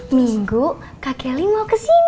minggu kak kelly mau kesini